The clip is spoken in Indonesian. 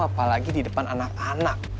apalagi di depan anak anak